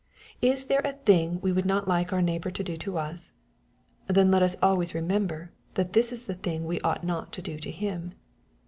— ^Is there a thing we would not like our neighbor to do to us ? Then let us always remember, that this is the thing we ought not to do to him.